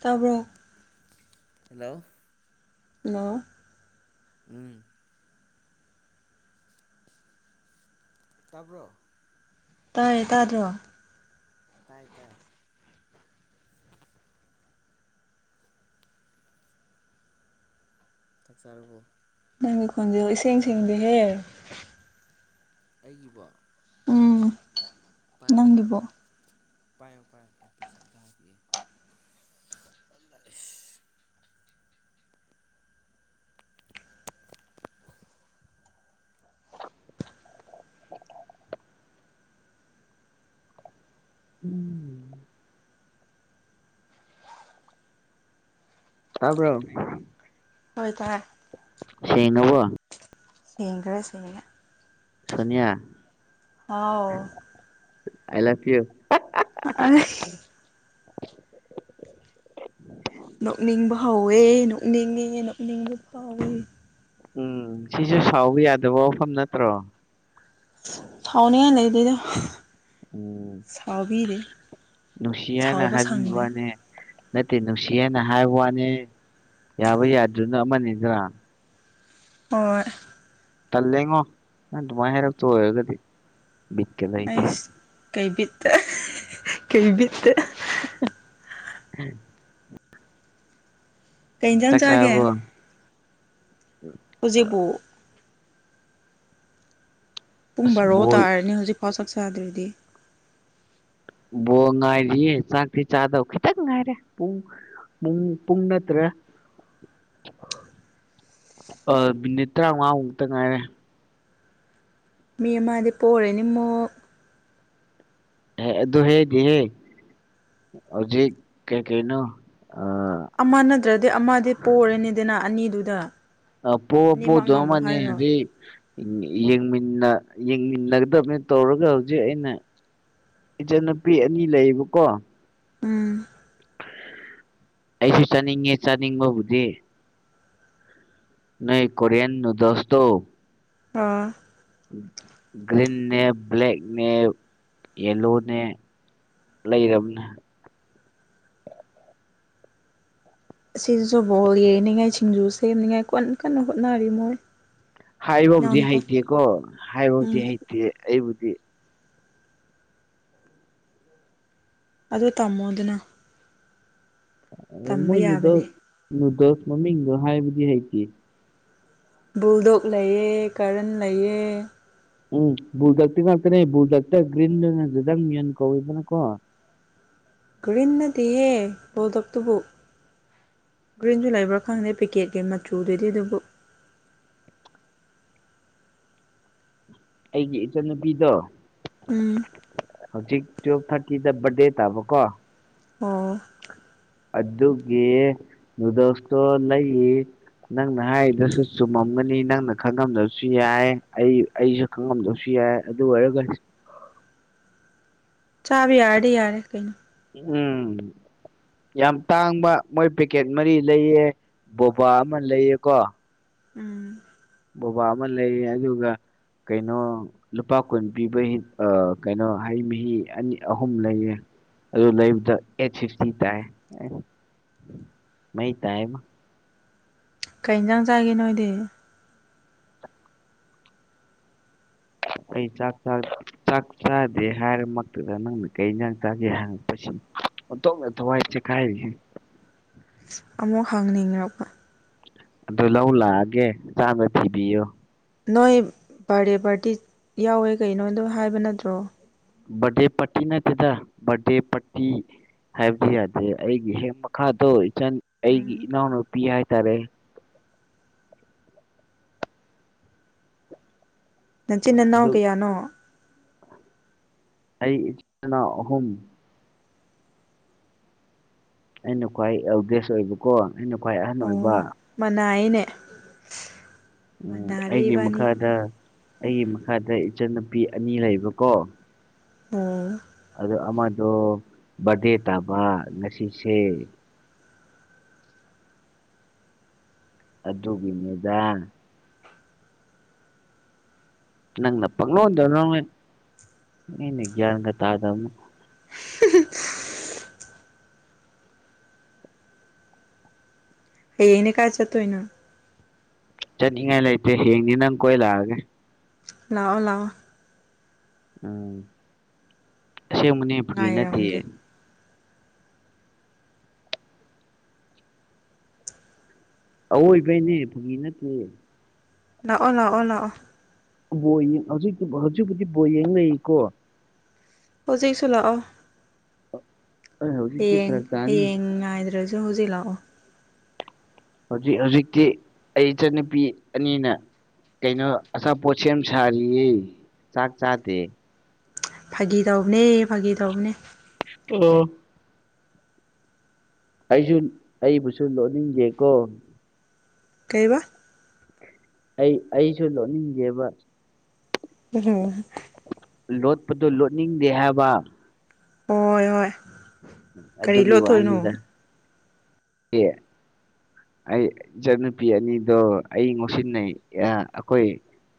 ꯇꯕ꯭ꯔꯛ hello ꯅ [unintelligible] [inaudible] ꯎꯝ [unintelligible] [inaudible] ꯇꯥꯕ꯭ꯔꯣ ꯇꯥꯔꯦ ꯇꯥꯗ꯭ꯔꯣ ꯇꯥꯏ ꯇꯥꯏ ꯆꯥꯛ ꯆꯥꯔꯕꯨ ꯅꯪꯒꯤ ꯈꯣꯟꯁ ꯏꯦꯡ ꯁꯦꯡꯗꯤ ꯍꯦ ꯑꯩꯕꯣ ꯎꯝ [inaudible] ꯄꯥꯏ ꯅꯪꯒꯤꯕꯣ ꯄꯥꯏꯕ [unintelligible] [inaudible] ꯎꯝ [inaudible] [unintelligible] ꯍꯥꯥꯕ꯭ꯔꯣ ꯍꯣꯏ ꯇꯥꯏ ꯁꯤꯦꯡꯅꯧꯕꯣ ꯁꯒꯔꯦ ꯁꯦ ꯁꯣꯅꯤꯌꯥ ꯍꯥꯎ ꯑꯥꯏ ꯂꯚ ꯌꯨ [unintelligible] [inaudible] ꯅꯣꯛꯅꯤꯡꯕ ꯍꯧꯥꯎꯋꯦ ꯅꯣꯛꯅꯤꯡꯉꯦ ꯅꯣꯛꯅꯤꯡꯕ ꯐꯥꯎꯋꯦ ꯎꯝ ꯁꯤꯁꯨ ꯁꯥꯎꯕ ꯌꯥꯗꯕ ꯋꯥꯐꯝ ꯅꯠꯇ꯭ꯔꯣ ꯑꯗꯨꯗ ꯎꯝ ꯅꯁꯤꯌꯥꯅ ꯁꯥꯎꯕ ꯍꯥꯏꯕꯤ ꯁꯪꯗꯦ ꯋꯥꯅꯦ ꯅꯠꯇꯦ ꯅꯨꯡꯁꯤ ꯍꯥꯏꯅ ꯍꯥꯏꯕ ꯋꯥꯅꯤ ꯌꯥꯕ ꯌꯥꯗ꯭ꯔꯅ ꯑꯃꯅꯤꯗ꯭ꯔꯥ ꯍꯣꯏ ꯇꯜꯂꯦꯉꯣ ꯅꯪ ꯑꯗꯨꯃꯥꯏꯅ ꯍꯥꯏꯔꯛꯇ ꯑꯣꯏꯔꯒꯗꯤ ꯕꯤꯛꯀ ꯂꯩꯇꯦ ꯀꯩꯕꯤꯠꯇ ꯀꯩꯕꯤꯠꯇ ꯎꯝ [inaudible] ꯀꯩ ꯏꯖ ꯆꯥꯒꯦ ꯍꯧꯖꯤꯄꯣꯛ ꯄꯨꯡ ꯑꯁ ꯕꯥꯔꯣ ꯕꯣꯏ ꯇꯥꯔꯅꯤ ꯍꯧꯖꯤꯛꯐꯥꯎ ꯆꯠ ꯆꯗ꯭꯭ꯔꯗꯤ ꯕꯣ ꯉꯥꯏꯔꯤꯌꯦ ꯆꯥꯛꯇꯤ ꯆꯥꯗꯧ ꯈꯤꯇꯪ ꯉꯥꯏꯔꯦ ꯄꯨꯡ ꯨꯡ ꯄꯨꯨꯡꯟꯅꯠꯇꯔꯦ [unintelligible] [inaudible] ꯑ ꯃꯤꯅꯤꯠ ꯇꯔꯥꯃꯉꯥꯃꯨꯛꯇ ꯉꯥꯏꯔꯦ ꯃꯃ ꯃꯥꯗꯤ ꯄꯣꯔꯅꯤ ꯃꯣ ꯍ ꯑꯗꯨꯍꯦꯗꯤꯍꯦ ꯍꯧꯖꯤꯛ ꯀꯩ ꯀꯩꯅꯣ ꯑꯃ ꯅꯠꯇ꯭ꯔꯗꯤ ꯑꯃꯗꯤ ꯄꯣꯔꯦꯅꯤꯗꯅ ꯑꯅꯤꯗꯨꯗ ꯑꯄꯨ ꯑꯄꯨ ꯑꯅꯤꯃꯛ ꯉꯝꯃꯣ ꯗꯣꯃꯅꯤ ꯍꯥꯏꯔꯣ ꯍꯥꯏꯗꯤ ꯌꯦꯡꯃꯤꯟꯅ ꯌꯦꯡꯃꯤꯟꯅꯒꯗꯕꯅꯤ ꯇꯧꯔꯒ ꯍꯧꯖꯤꯛ ꯑꯩꯅ ꯏꯆꯟꯅꯨꯄꯤ ꯑꯅꯤ ꯂꯩꯌꯦꯕꯀꯣ ꯎꯝ [inaudible] [unintelligible] ꯑꯩꯁꯨ ꯆꯥꯅꯤꯡꯉꯦ ꯆꯥꯅꯤꯡꯕꯕꯨꯗꯤ ꯅꯣꯏ ꯀꯣꯔꯤꯌꯥꯦꯟ ꯅꯨꯗꯣꯁꯇꯣ ꯑꯥ [inaudible] ꯭ꯔꯤꯟꯅꯦ ꯭ꯂꯦꯛꯦꯛꯅꯦ ꯌꯦꯂꯣꯅꯦ ꯂꯩꯕꯅꯦ ꯑꯁꯤꯁꯤꯁꯨ ꯕꯣꯜ ꯌꯩꯅꯤꯡꯉꯥꯏ ꯁꯤꯡꯖꯨ ꯁꯦꯝꯅꯤꯉꯥꯏ ꯀꯟꯅ ꯀꯟꯅ ꯍꯣꯠꯅꯔꯤ ꯃꯣꯏ ꯍꯥꯏꯕꯕꯨꯗꯤ ꯏꯅꯥꯎꯅꯨꯄꯥ ꯍꯩꯇꯦꯀꯣ ꯍꯥꯏꯕꯕꯨꯗꯤ ꯎꯝ ꯍꯩꯇꯦ ꯑꯩꯕꯨꯗꯤ ꯑꯗꯣ ꯇꯃꯣꯗꯅ ꯃꯣꯏ ꯅꯨꯗꯜ ꯅꯨꯗꯜꯁ ꯃꯃꯤꯡꯗꯣ ꯍꯥꯏꯕꯨꯗꯤ ꯍꯩꯇ ꯕꯨꯜꯗꯣꯛ ꯂꯩꯑꯦ ꯀꯔꯟ ꯂꯩꯑꯦ ꯎꯝ ꯕꯨꯗꯛꯇꯤ ꯉꯥꯛꯇꯅꯦ ꯕꯨꯗꯛꯇ ꯒ꯭ꯔꯤꯟꯗꯪ ꯌꯦꯟ ꯀꯧꯋꯤꯗꯅꯀꯣ ꯔꯤꯟꯅꯗꯤꯍꯦ ꯍꯧ ꯗꯣꯛꯛꯇꯨꯕꯨ ꯒ꯭ꯔꯤꯟ ꯨ ꯂꯩꯕ꯭ꯔꯥ ꯈꯪꯗꯦ ꯄꯦꯀꯦꯠꯀꯤ ꯃꯆꯨꯗꯨꯗꯤ ꯑꯗꯨꯕꯨ ꯑꯩꯒꯤ ꯏꯆꯟꯅꯨꯄꯤꯗꯣ ꯎꯝ ꯍꯧꯖꯤꯛ ꯇꯨꯋꯦꯜꯐ ꯊꯥꯔꯇꯤꯗ ꯕꯔꯗꯦ ꯇꯥꯕꯀꯣ ꯑꯣ ꯑꯗꯨ ꯑꯗꯨꯒꯦ ꯑꯗꯨꯗꯣꯁꯣ ꯅꯏ ꯅꯪꯅ ꯍꯥꯏꯔꯤꯗꯁꯨ ꯆꯨꯝꯃꯝꯒꯅꯤ ꯅꯪꯅ ꯈꯪꯉꯝꯗꯕꯁꯨ ꯌꯥꯏ ꯑꯩ ꯑꯩꯁꯨ ꯈꯪꯉꯝꯗꯕꯁꯨ ꯌꯥꯏ ꯌꯥ ꯑꯗꯨ ꯑꯣꯏꯔꯒ ꯎ ꯆꯥꯕ ꯌꯥꯔ ꯌꯥꯔꯦ ꯀꯩꯅꯩꯅ ꯎꯝ ꯌꯥꯝ ꯇꯥꯡꯕ ꯃꯣꯏ ꯄꯦꯀꯦꯠ ꯃꯔꯤ ꯂꯩꯑ ꯕꯣꯕꯥ ꯑꯃ ꯂꯩꯑꯀꯣ ꯎꯝ ꯕꯕꯥ ꯑꯃ ꯂꯩ ꯌꯥꯒꯤꯒ ꯀꯩꯅꯣ ꯂꯨꯄꯥ ꯀꯨꯟ ꯄꯤꯕ ꯀꯩꯅꯣ ꯍꯩ ꯃꯍꯤ ꯑꯅꯤ ꯑꯍꯨꯝ ꯂꯩꯌꯦ ꯑꯗꯨ ꯇ ꯃ ꯇ ꯀꯩ ꯏꯟꯖꯥꯡ ꯆꯥꯏꯒꯦ ꯅꯣꯏꯗꯤ [unintelligible] ꯑꯩ ꯆꯥꯛ ꯆꯥꯗꯦ ꯍꯥꯏꯔꯃꯛꯇꯨꯗ ꯅꯪꯅ ꯀꯩ ꯏꯟꯖꯥꯡ ꯆꯥꯒꯦ ꯍꯪꯉꯛꯄꯁꯤꯅ ꯑꯣ ꯇꯣ ꯊ ꯋꯥꯏꯁꯦ ꯀꯥꯏ ꯑꯃꯨꯛ ꯍꯪꯅꯤꯡꯛꯄ ꯑꯗꯨ ꯂꯧ ꯂꯥꯛꯑꯒꯦ ꯆꯥꯅ ꯊꯤꯕꯤꯌꯨ ꯅꯣꯏ ꯕꯥꯔꯗꯦ ꯄꯥꯔꯇꯤ ꯌꯥꯎꯋꯦ ꯀꯩꯅꯣꯗꯣ ꯍꯥꯏꯕ ꯅꯠꯇ꯭ꯔꯣ ꯕꯗꯦ ꯄꯇꯤ ꯅꯠꯇꯗ ꯕꯗꯦ ꯄꯇꯤ ꯍꯥꯏꯕꯗꯤ ꯌꯥꯗꯦ ꯑꯩꯒꯤ ꯍꯦꯛ ꯃꯈꯥꯗꯣ ꯏꯆꯟ ꯑꯩꯒꯤ ꯎꯝ ꯏꯅꯣꯅ ꯄꯤꯑꯥꯏ ꯇꯔꯦ ꯅ ꯆꯤꯟꯟꯅꯅ ꯑꯗꯨ ꯀꯌꯥꯅꯣ ꯑꯩ ꯏꯆꯅ ꯑꯍꯨꯝ ꯑꯩꯅ ꯈ꯭ꯋꯥꯏ ꯑꯦꯜꯗꯦꯁ ꯑꯣꯏꯕꯀꯣ ꯑꯩꯅ ꯈ꯭ꯋꯥꯏ ꯑꯍꯟ ꯑꯣꯏꯕ ꯑꯣ [unintelligible] ꯎꯝ ꯃꯅꯥꯔꯦ ꯑꯩꯒꯤ ꯏꯕꯥꯅꯤ ꯃꯈꯥꯗ ꯑꯩꯒꯤ ꯃꯈꯥꯗ ꯏꯆꯟꯅꯨꯄꯤ ꯑꯅꯤ ꯂꯩꯕꯀꯣ ꯎꯝ ꯑ ꯑꯃꯗꯣ ꯕꯗꯦ ꯇꯥꯕ ꯉꯁꯤꯁꯦ ꯑꯗꯨꯒꯤꯅꯦꯗꯥ ꯅꯪꯅ ꯄꯂꯣꯔ ꯇꯥꯗ [unintelligible] ꯑꯩ ꯌꯦꯅꯦ ꯀꯥꯏ ꯆ ꯇꯣ ꯏꯅ ꯆꯠꯅꯤꯡꯉꯥꯏ ꯂꯩꯇꯦ ꯍꯌꯦꯅꯤ ꯅꯪ ꯀꯣꯏ ꯂꯛꯑꯒꯦ ꯂꯑꯣ ꯂꯥꯛꯑꯣ ꯎꯝ ꯑꯁꯦꯡꯕꯅꯦ ꯐꯨꯏ ꯅꯠꯇꯦꯌꯦ ꯉꯥꯏꯔꯝꯒꯦ ꯑꯋꯣꯏꯕꯩꯅꯦ ꯐꯨꯒꯤ ꯅꯠꯇꯦ ꯂꯥꯛꯑꯣ ꯂꯥꯛꯑꯣ ꯂꯥꯛꯑꯣ ꯍꯧꯖꯤ ꯍꯧꯖꯤꯛꯕꯨꯨꯗꯤ ꯕꯣ ꯌꯦꯡꯅꯩꯀꯣ ꯍꯧꯖꯤꯩꯁꯨꯂꯑꯣ ꯑꯩ ꯍꯧꯖꯤꯛꯇꯤ ꯍꯌꯦꯡ ꯐꯔꯛ ꯇꯥꯅꯤ ꯍꯌꯦꯡ ꯉꯥꯏꯗ꯭ꯔꯁꯨ ꯍꯧꯖꯤꯛ ꯂꯥꯛꯑꯣ ꯍꯧꯖꯤꯛ ꯍꯧꯖꯤꯛꯇꯤ ꯑꯩ ꯏꯆꯟꯅꯨꯄꯤ ꯑꯅꯤꯅ ꯀꯩꯅꯣ ꯑꯁꯥ ꯄꯣꯠꯁ ꯁꯥꯔꯤꯌꯦ ꯆꯥꯛ ꯆꯥꯗꯦ ꯐꯥꯒꯤ ꯇꯧꯕꯅꯦ ꯐꯥꯒꯤ ꯇꯧꯕꯅꯦ ꯑꯣ ꯑꯩꯁꯨ ꯑꯩꯕꯨꯁꯨ ꯂꯣꯅꯤꯡꯒꯦꯀꯣ ꯀꯩꯕ ꯑꯩ ꯑꯩꯁꯨ ꯂꯣꯟꯅꯤꯡꯒꯦꯕ ꯎꯝ ꯂꯣꯠꯄꯗꯨꯣ ꯂꯣꯠꯅꯤꯡꯗꯦ ꯍꯥꯏꯕ ꯍꯣꯏ ꯍꯣꯏ ꯀꯔꯤ ꯂꯣꯠꯇꯣꯏꯅꯣ ꯌꯦ ꯑꯩ ꯏꯆꯟꯅꯨꯄꯤ ꯑꯅꯤꯗꯣ ꯑꯩ ꯉꯧꯁꯤꯟꯅꯩ ꯑꯩꯈꯣꯏ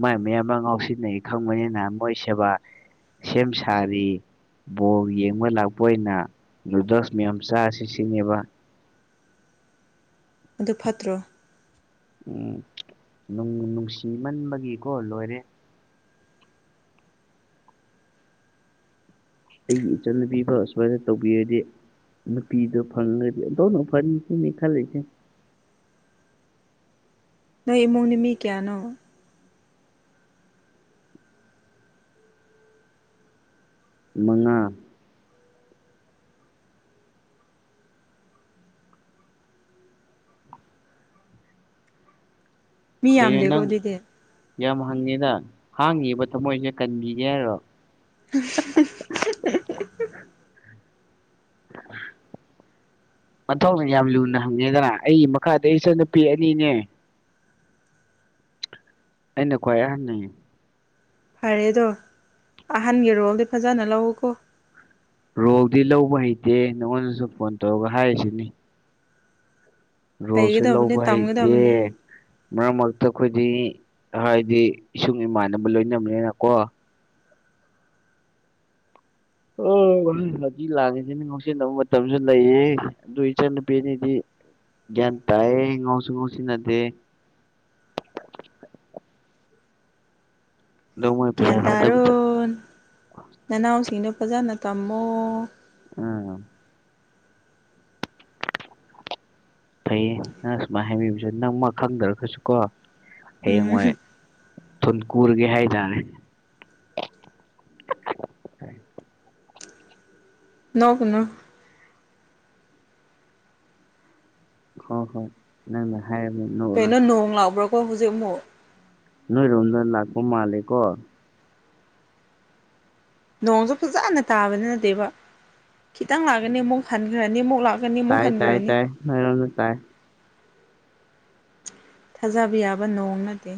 ꯃꯥꯏ ꯃꯌꯥꯝ ꯑꯃ ꯉꯥꯎꯁꯤꯟꯅꯉ ꯈꯪꯕꯅꯤꯅ ꯃꯣꯏ ꯁꯦꯕꯥ ꯁꯦꯝ ꯁꯥꯔꯤ ꯕꯣꯜ ꯌꯦꯡꯕ ꯂꯥꯛꯄ ꯑꯣꯏꯅ ꯔꯨꯗꯁ ꯃꯌꯥꯝꯆꯥ ꯑꯁꯤ ꯁꯤꯅꯦꯕ ꯑꯗꯨ ꯐꯠꯇ꯭ꯔꯣ ꯎꯝ ꯅꯨꯡꯁꯤꯃꯟꯕꯒꯤꯀꯣ ꯂꯣꯏꯔꯦ ꯑꯩꯒꯤ ꯏꯆꯟꯅꯨꯕꯤꯕꯨ ꯁꯨꯃꯥꯏꯅ ꯇꯧꯕꯤꯔꯗꯤ ꯅꯨꯄꯤꯗꯣ ꯐꯪꯉꯗꯤꯅ ꯐꯪꯅꯤꯁꯤꯅꯤ ꯈꯜꯂꯤꯁꯦ [unintelligible] ꯅ ꯏꯃꯨꯡꯅꯤ ꯃꯤ ꯀꯌꯥꯅ ꯃꯉꯥ ꯃꯤ ꯀꯩꯅꯣ ꯌꯥꯝꯗꯦꯀꯣ ꯅꯪ ꯑꯗꯨꯗꯤ ꯌꯥꯝ ꯍꯪꯉꯦꯗ ꯍꯥꯡꯉꯤꯕ ꯊꯝꯃꯣꯏꯁꯦ ꯀꯟꯕꯤꯒꯦ ꯍꯥꯏꯔꯣ [inaudible] [inaudible] ꯃꯊꯧꯅꯪ ꯌꯥꯝ ꯂꯨꯅ ꯍꯪꯉꯦꯗꯅ ꯑꯩꯒꯤ ꯃꯈꯥꯗ ꯏꯆꯟꯅꯨꯄꯤ ꯑꯅꯤꯅꯦ ꯑꯩꯅ ꯀ ꯍꯥꯏꯅꯤ ꯐꯔꯦꯗꯣ ꯑꯍꯟꯒꯤ ꯔꯣꯜꯗꯤ ꯐꯖꯅ ꯂꯧꯎꯀꯣ ꯔꯣꯜꯗꯤ ꯂꯧꯕ ꯍꯩꯇꯦ ꯅꯪꯉꯣꯟꯗꯁꯨ ꯐꯣꯟ ꯇꯧꯔꯒ ꯍꯥꯏꯔꯤꯁꯤꯅꯤ ꯔꯣꯁꯦ ꯍꯩꯒꯗꯕꯅꯤ ꯂꯧꯕ ꯍꯇꯦ ꯇꯝꯒꯗꯕꯅꯤ ꯃꯔꯛ ꯃꯔꯛꯇ ꯑꯩꯈꯣꯏꯗꯤ ꯍꯥꯏꯗꯤ ꯏꯁꯨꯡ ꯏꯃꯥꯟꯅꯕ ꯂꯣꯏꯅꯕꯅꯤꯅꯀꯣ ꯑꯣ ꯍꯧꯖꯤ ꯂꯥꯛꯉꯤꯁꯤꯅꯤ ꯉꯧꯁꯤꯟꯅꯕ ꯃꯇꯝꯁꯨ ꯂꯩꯌꯦ ꯑꯗꯨ ꯏꯆꯟꯅꯨꯄꯤꯅꯤꯗꯤ ꯌꯥ ꯇꯥꯏꯌꯦ ꯏ ꯉꯁꯨ ꯉꯁꯤꯅꯗꯦ [unintelligible] ꯑꯗꯣ ꯃꯣꯏ ꯄꯩꯁꯥ ꯒ꯭ꯌꯥꯟ ꯊꯥꯗꯕꯗ ꯇꯥꯔꯣꯟ ꯅꯅꯥꯎꯁꯤꯡꯗꯣ ꯐꯖꯅ ꯇꯝꯃꯣ ꯎꯝ ꯐꯩꯌꯦ ꯅꯪ ꯁꯨꯃꯥꯏꯅ ꯍꯥꯏꯕꯤꯕꯁꯦ ꯅꯪ ꯃꯥ ꯈꯪꯗ꯭ꯔꯒꯁꯨ ꯀꯣ ꯍꯌꯦꯡ ꯃꯣꯏ ꯎꯝ ꯊꯨꯤꯟꯀꯨꯔꯒꯦ ꯍꯥꯏꯇꯥꯔꯦ ꯅꯒꯅ ꯍꯣ ꯍꯣ ꯅꯪꯅ ꯍꯥꯏꯌꯦꯔ ꯍꯣꯏ ꯍꯧꯖꯃꯨ ꯅꯣꯏꯏꯔꯟꯖꯅ ꯂꯥꯛꯄ ꯃꯥꯂꯀꯣ ꯅꯣꯡꯁꯨ ꯐꯖꯅ ꯇꯥꯕꯅꯤ ꯅꯠꯇꯦꯕ ꯈꯤꯇꯪ ꯂꯥꯛꯀꯅꯤ ꯑꯃꯨꯛ ꯍꯟꯈ꯭ꯔꯅꯤ ꯑꯃꯨꯛ ꯂꯥꯛꯀꯅꯤ ꯑꯃꯨꯛ ꯇꯥꯏ ꯇꯥꯏ ꯍꯟꯈ꯭ꯔꯅꯤ ꯇꯥꯏ ꯅꯣꯏꯔꯣꯝꯗ ꯇꯥꯏ ꯊꯥꯖꯕ ꯌꯥꯕ ꯅꯑꯣꯡ ꯅꯠꯇꯦ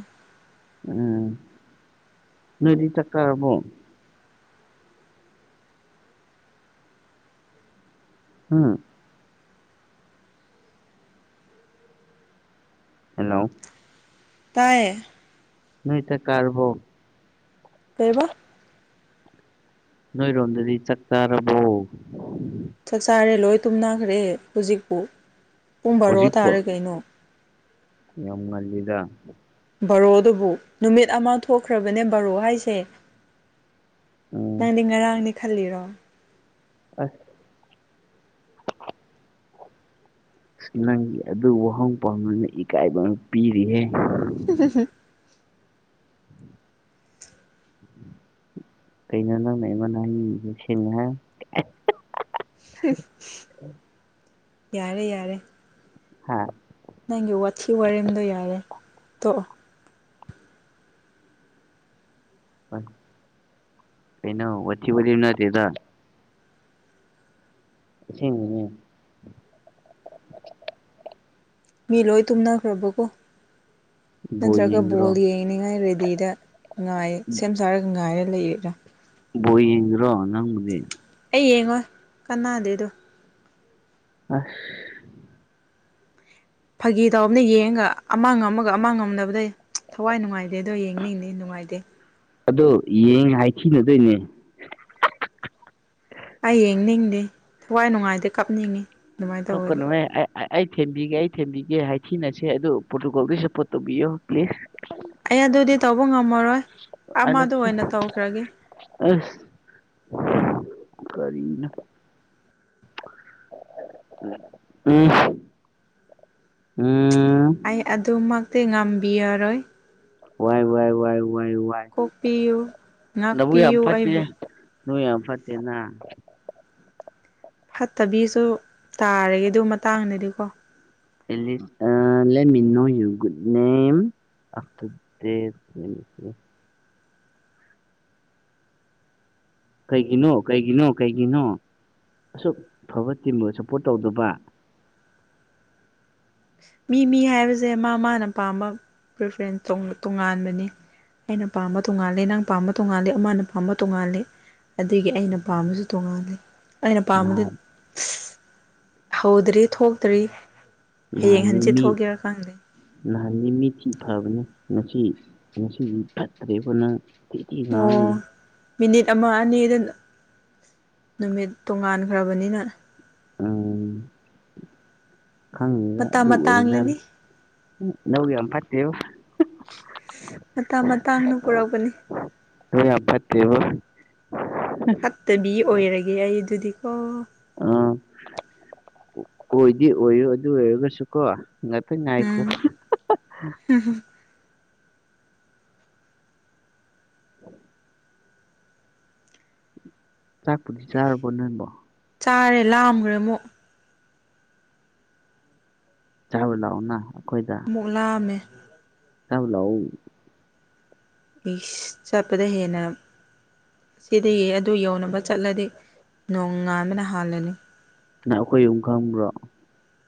ꯎꯝ ꯃꯦꯔꯤ ꯇ ꯀꯥꯔꯃꯣꯟ ꯑꯝ ꯍꯜꯂꯣ ꯇꯌꯦ ꯅꯏꯇ ꯀꯥꯕꯣ ꯄꯩꯕ ꯅꯣꯏꯔꯣꯝꯗꯗꯤ ꯆꯥꯛ ꯆꯥꯔꯕꯣ ꯆꯥꯛ ꯆꯥꯔꯦ ꯂꯣꯏ ꯇꯨꯝꯅꯈ꯭ꯔꯦ ꯍꯧꯖꯤꯛꯄꯨ ꯄꯨꯡ ꯕꯥꯔꯣ ꯍꯧꯖꯤꯛꯄꯣ ꯇꯥꯔꯦ ꯀꯩꯅꯣ ꯌꯥꯝ ꯉꯜꯂꯤꯗ ꯕꯣꯔꯣꯗꯨꯕꯨ ꯅꯨꯃꯤꯠ ꯑꯃ ꯊꯣꯛꯈ꯭ꯔꯕꯅꯦ ꯕꯔꯣ ꯍꯥꯏꯁꯦ ꯎꯝ ꯅꯪꯗꯤ ꯉꯔꯥꯡꯅꯤ ꯈꯜꯂꯤꯔꯣ ꯑ ꯑ ꯅꯪꯒꯤ ꯑꯗꯨ ꯋꯥꯍꯪ ꯄꯥꯎ ꯅꯅ ꯏꯀꯥꯏꯕ ꯑꯃ ꯄꯤꯔꯤꯍꯦ [inaudible] ꯀꯅ ꯅꯪꯅꯕꯏ ꯁꯦꯅꯍ ꯌꯥꯔꯦ ꯌꯥꯔꯦ ꯍꯥꯥ ꯅꯪꯒꯤ ꯋꯥꯊꯤ ꯋꯥꯔꯦꯝꯗꯣ ꯌꯥꯔꯦ ꯇꯣꯛꯑꯣ ꯀꯩꯅꯩꯅꯣ ꯑꯣꯤ ꯅ ꯆꯦꯗ ꯍꯝ ꯃꯤ ꯂꯣꯏ ꯇꯨꯝꯅꯈ꯭ꯔꯕꯀꯣ ꯕꯣꯜ ꯅꯠꯇ꯭ꯔꯒ ꯌꯦꯡꯗ꯭ꯔꯣ ꯕꯣꯜ ꯌꯦꯡꯅꯤꯉꯥꯏ ꯔꯦꯗꯤꯗ ꯉꯥꯏ ꯁꯦꯝ ꯁꯥꯔꯒ ꯉꯥꯏꯔ ꯂꯩ ꯌꯦ ꯕꯣꯏ ꯌꯦꯡꯗ꯭ꯔꯣ ꯅꯪꯕꯗꯤ ꯑꯩ ꯌꯦꯡꯉꯣ ꯀꯥꯟꯅꯥꯗꯦꯗꯣ ꯑ ꯐꯥꯒꯤ ꯇꯥꯎꯅ ꯌꯦꯡꯒ ꯑꯃꯥꯡ ꯑꯃꯒ ꯑꯃꯥꯡ ꯉꯝꯕꯗ ꯊꯋꯥꯏ ꯅꯨꯡꯉꯥꯏꯇꯦ ꯑꯗꯣ ꯌꯦꯡꯅꯤꯡꯅꯦ ꯅꯨꯡꯉꯥꯏꯇꯦ ꯑꯗꯣ ꯌꯦꯡ ꯍꯥꯏ ꯊꯤꯅꯗꯣꯏꯅꯦ ꯑꯩ ꯌꯦꯡꯅꯤꯡꯗꯦ ꯊꯋꯥꯏ ꯅꯨꯡꯉꯥꯏꯗꯤ ꯀꯞꯅꯤꯡꯉꯤ ꯑꯗꯨꯃꯥꯏꯅ ꯊꯣꯛꯀ ꯇꯧꯔꯗꯤ ꯅꯨ ꯑꯩ ꯊꯦꯝꯕꯤꯒꯦ ꯑꯩ ꯊꯦꯝꯕꯤꯒꯦ ꯍꯥꯏꯊꯤꯅꯁꯦ ꯑꯗꯨ ꯄ꯭ꯔꯣꯔꯇꯨꯀꯣꯜꯗ ꯁꯞꯄꯣꯔꯠ ꯇꯧꯕꯤꯌꯣ ꯄ꯭ꯂꯤꯖ ꯑꯩ ꯑꯗꯨꯗꯤ ꯇꯧꯕ ꯉꯝꯃꯔꯣꯏ ꯑꯥꯏ ꯂꯞ ꯑꯃꯗ ꯌꯨ ꯑꯣꯏꯅ ꯇꯧꯈ꯭ꯔꯒꯦ ꯑꯁ ꯀꯔꯤꯅ ꯎꯝ ꯎꯝ ꯑꯩ ꯑꯗꯨꯃꯛꯇꯤ ꯉꯝꯕꯤꯔꯔꯣꯏ ꯋꯥꯏ ꯋꯥꯏ ꯋꯥꯏ ꯋꯥꯏ ꯋꯥꯏ ꯀꯣꯛꯄꯤꯌꯨ ꯅꯕꯨ ꯌꯥ ꯑ ꯉꯥꯛꯄꯤꯌꯨ ꯑꯩꯕꯨ ꯐꯠꯇ ꯅ ꯌꯥꯝ ꯐꯠꯇꯦꯡꯅ ꯐꯠꯇꯕꯤꯁꯨ ꯇꯥꯔꯒꯦ ꯑꯗꯨ ꯃꯇꯥꯡꯗꯗꯤꯀꯣ ꯑꯃꯤꯣ ꯌꯨꯨ ꯅꯝ ꯑ ꯀꯩꯒꯤꯅꯣ ꯀꯩꯒꯤꯅꯣ ꯀꯩꯒꯤꯅꯣ ꯑꯁꯨꯛꯐꯕ ꯇꯤꯝꯒ ꯁꯞꯄꯣꯔꯠ ꯇꯧꯗꯕ ꯃꯤ ꯃꯤ ꯍꯥꯏꯕꯁꯦ ꯃꯥ ꯃꯥꯅ ꯄꯥꯝꯕ ꯄ꯭ꯔꯤꯐꯔꯦꯟꯁ ꯇꯣꯉꯥꯟꯕꯅꯤ ꯑꯩꯅ ꯄꯥꯝꯕ ꯇꯣꯉꯥꯂꯦ ꯅꯪ ꯄꯥꯝꯕ ꯇꯣꯉꯥꯜꯂꯦ ꯑꯃꯅ ꯄꯥꯝꯕ ꯇꯣꯉꯥꯂꯦ ꯑꯗꯒꯤ ꯑꯩꯅ ꯄꯥꯝꯕꯁꯨ ꯇꯣꯉꯥꯜꯂꯤ ꯑꯩꯅ ꯄꯥꯝꯕꯗ ꯅꯍꯥꯟ ꯍꯧꯗ꯭ꯔꯤ ꯊꯣꯛꯇ꯭ꯔꯤ ꯍꯌꯦꯡ ꯍꯟꯁꯦ ꯊꯣꯛꯒꯦꯔꯥꯀꯪꯗꯦ ꯅꯍꯥꯟꯒꯤ ꯃꯤ ꯊꯤ ꯐꯕꯅꯤ ꯉꯁꯤ ꯉꯁꯤꯗꯤ ꯐꯠꯇ꯭ꯔꯦꯕꯅꯪ ꯊꯗꯤ ꯉ ꯑꯣ ꯃꯤꯅꯤꯠ ꯑꯃ ꯑꯅꯤꯗ ꯅꯨꯃꯤꯠ ꯇꯣꯉꯥꯟꯈ꯭ꯔꯕꯅꯤꯅ ꯎꯝ ꯈꯪꯉꯦꯒ ꯃꯇꯥꯡ ꯑꯗꯨ ꯑꯣꯏꯖ ꯃꯇꯥꯡꯂꯅꯤ ꯅꯧꯒꯦ ꯌꯥꯝꯄꯥꯠꯇꯦ ꯃꯇꯥꯡ ꯃꯇꯥꯡꯅ ꯄꯨꯔꯛꯄꯅꯤ ꯑꯣꯏ ꯑꯄꯠꯇꯦꯕ ꯐꯠꯇꯕꯤ ꯑꯣꯏꯔꯒꯦ ꯑꯩ ꯑꯗꯨꯗꯤꯀꯣ ꯑꯥ ꯀꯣꯏꯗꯤ ꯑꯣꯏꯌꯨ ꯑꯗꯨ ꯑꯣꯏꯔꯒꯁꯨ ꯀꯣ ꯑꯥꯏꯀꯣ ꯎꯝ [inaudible] ꯆꯥꯛꯄꯨꯗꯤ ꯆꯥꯔꯕꯣ ꯅꯪꯕꯣ ꯆꯥꯔꯦ ꯂꯥꯝꯈ꯭ꯔꯦ ꯑꯃꯨꯛ ꯆꯥꯎꯕ ꯂꯥꯎꯅ ꯃꯨꯛ ꯂꯥꯛꯑꯝꯃꯦ ꯌꯥꯕ ꯂ ꯏꯁ ꯆꯄꯗ ꯍꯦꯅ ꯁꯤꯗꯤ ꯌꯦ ꯑꯗꯨ ꯌꯧꯅꯕ ꯆꯠꯂꯗꯤ ꯅꯣꯡ ꯉꯥꯟꯕꯅ ꯍꯥꯜꯂꯅꯤ ꯅꯪ ꯑꯩꯈꯣꯏ ꯑꯃꯨꯝ ꯈꯪꯕ꯭ꯔꯣ